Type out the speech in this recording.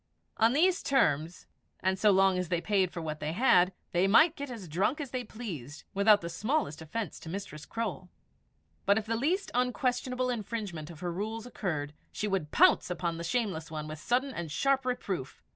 On these terms, and so long as they paid for what they had, they might get as drunk as they pleased, without the smallest offence to Mistress Croale. But if the least unquestionable infringement of her rules occurred, she would pounce upon the shameless one with sudden and sharp reproof.